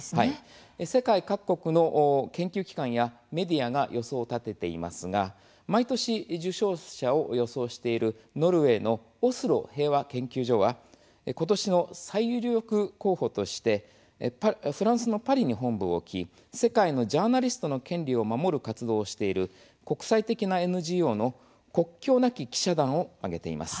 世界各国の研究機関やメディアが予想を立てていますが毎年、受賞者を予想しているノルウェーのオスロ平和研究所はことしの最有力候補としてフランスのパリに本部を置き世界のジャーナリストの権利を守る活動をしている国際的なＮＧＯの国境なき記者団を挙げています。